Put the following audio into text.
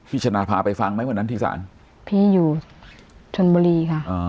พี่ชนาภาไปฟังไหมวันนั้นที่สารพี่อยู่ทนบุรีค่ะอ่า